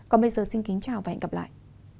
còn bây giờ xin kính chào và hẹn gặp lại